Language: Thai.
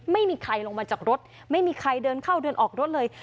ไม่มีใครลงมาจากรถไม่มีใครเดินเข้าเดินออกรถเลย